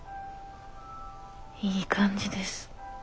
いい感じです。